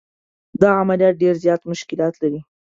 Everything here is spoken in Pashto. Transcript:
دا عملیات ډېر زیات مشکلات لري.